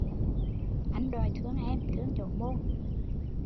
Anh đòi thương em, thương chỗ mô